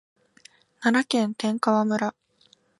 奈良県天川村